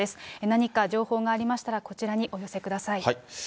何か情報がありましたら、こちらにお寄せください。